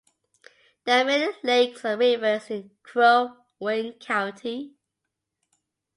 There are many lakes and rivers in Crow Wing County.